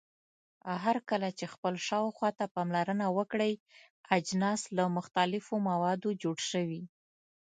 هرکله چې خپل شاوخوا ته پاملرنه وکړئ اجناس له مختلفو موادو جوړ شوي.